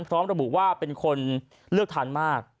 พร้อมระบุว่าเป็นคนเลือกทานมาก